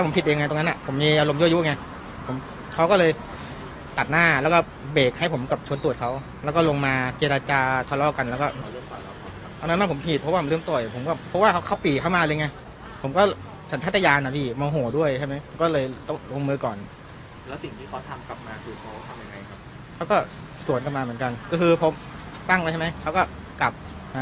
มันมีความรู้สึกว่ามันมีความรู้สึกว่ามันมีความรู้สึกว่ามันมีความรู้สึกว่ามันมีความรู้สึกว่ามันมีความรู้สึกว่ามันมีความรู้สึกว่ามันมีความรู้สึกว่ามันมีความรู้สึกว่ามันมีความรู้สึกว่ามันมีความรู้สึกว่ามันมีความรู้สึกว่ามันมีความรู้สึกว่า